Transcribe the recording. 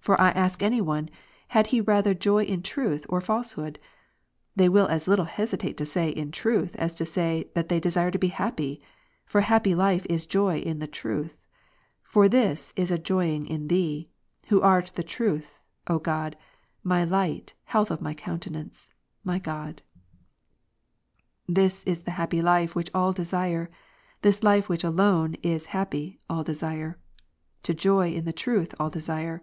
For I ask any one, had he rather joy in truth, or in^.^ . falsehood ? They will as little hesitate to say, " in the truth," / as to say, " that they desire to be happy ;" for a happy life i^ / joy in the truth : for this is a joying in Thee, Who art the John 14, Truth, O God my light, health of my countenance, my God. ps. 27, i. This is the happy life which all desire ; this life which alone Ps. 42, is happy, all desire ; to joy in the truth all desire